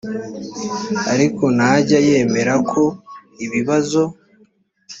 ariko ntajya yemera ko ibibazo